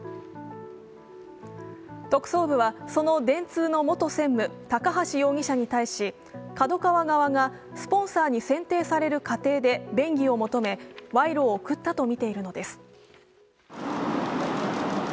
特捜部は、その電通の元専務、高橋容疑者に対しＫＡＤＯＫＡＷＡ側がスポンサーに選定される過程で便宜を求め、賄賂を贈ったとみているのです。